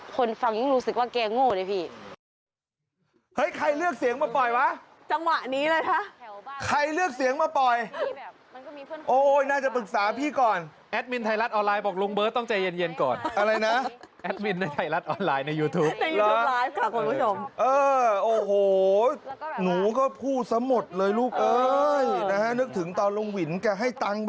คนฟังยังรู้สึกว่าแกง่วเลยพี่